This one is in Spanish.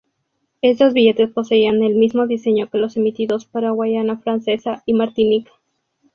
Estos billetes poseían el mismo diseño que los emitidos para Guayana Francesa y Martinica.